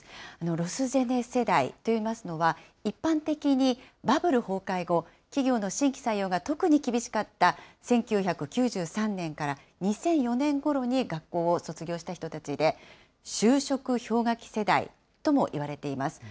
ロスジェネ世代といいますのは、一般的にバブル崩壊後、企業の新規採用が特に厳しかった１９９３年から２００４年ごろに学校を卒業した人たちで、就職氷河期世代ともいわれています。